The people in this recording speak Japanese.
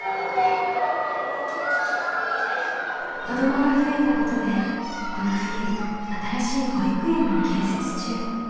子どもが増えたことでこの冬新しい保育園も建設中。